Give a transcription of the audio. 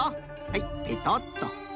はいペトッと。